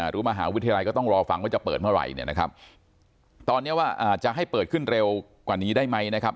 หรือมหาวิทยาลัยก็ต้องรอฟังว่าจะเปิดเมื่อไหร่เนี่ยนะครับตอนนี้ว่าจะให้เปิดขึ้นเร็วกว่านี้ได้ไหมนะครับ